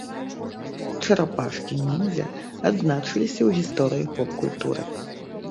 Чарапашкі-ніндзя адзначыліся ў гісторыі поп-культуры.